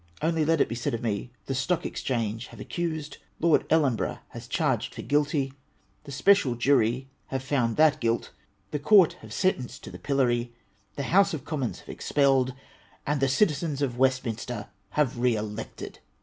Only let it be said of me :— the Stoch Exchange have accused; Lord Ellenborourjh has charged for guilty; the Special Jury have found that guilt ; the Court have sen tenced to the pillory ; the House of Commons have expelled ; and the Citizens of Westminster have re elected.